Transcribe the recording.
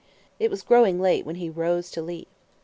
It was growing late when he rose to leave.